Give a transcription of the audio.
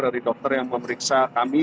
dari dokter yang memeriksa kami